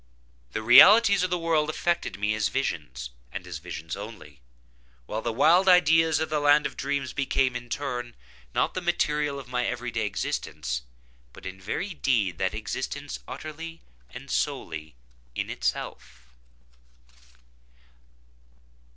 The realities of the world affected me as visions, and as visions only, while the wild ideas of the land of dreams became, in turn, not the material of my every day existence, but in very deed that existence utterly and solely in itself.